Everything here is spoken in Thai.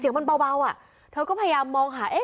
เสียงมันเบาเบาอ่ะเธอก็พยายามมองหาเอ๊ะ